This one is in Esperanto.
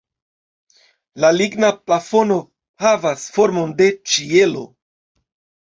La ligna plafono havas formon de ĉielo.